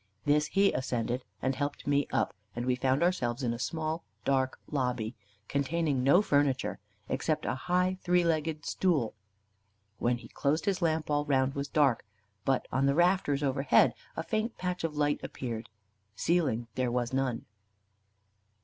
This he ascended, and helped me up, and we found ourselves in a small dark lobby, containing no furniture, except a high three legged stool. When he closed his lamp all around was dark, but on the rafters overhead a faint patch of light appeared ceiling there was none.